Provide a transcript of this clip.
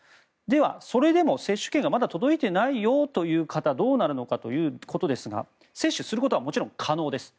それでも接種券がまだ届いていないよという方はどうなるのかということですが接種することはもちろん可能です。